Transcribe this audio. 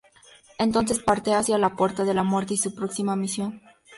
Entonces parte hacía la Puerta de la Muerte y su próxima misión.